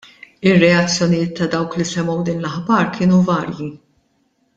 Ir-reazzjonijiet ta' dawk li semgħu din l-aħbar kienu varji.